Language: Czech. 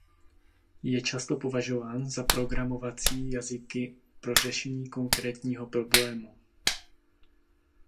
Je často považován za programovací jazyky pro řešení konkrétního problému.